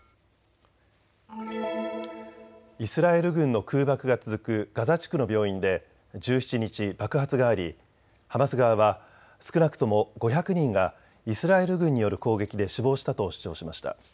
イスラエル軍の空爆が続くガザ地区の病院で１７日、爆発がありハマス側は少なくとも５００人がイスラエル軍による攻撃で死亡したと主張しました。